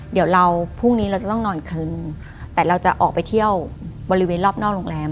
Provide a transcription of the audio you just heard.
เดี๋ยวเราพรุ่งนี้เราจะต้องนอนคืนแต่เราจะออกไปเที่ยวบริเวณรอบนอกโรงแรม